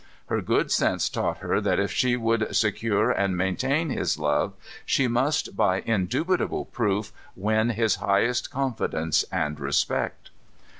Her good sense taught her that if she would secure and maintain his love, she must, by indubitable proof, win his highest confidence and respect.